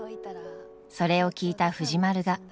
それを聞いた藤丸が。